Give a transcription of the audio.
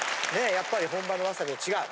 やっぱり本場のわさびは違う？